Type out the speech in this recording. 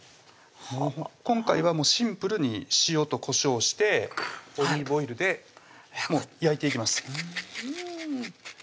今回はシンプルに塩とこしょうしてオリーブオイルでもう焼いていきます